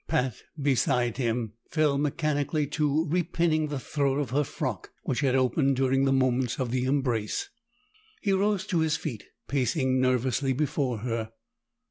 Pat, beside him, fell mechanically to repinning the throat of her frock, which had opened during the moments of the embrace. He rose to his feet, pacing nervously before her.